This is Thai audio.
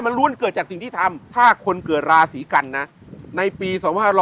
มันล้วนเกิดจากสิ่งที่ทำถ้าคนเกิดราศีกันนะในปี๒๕๖๐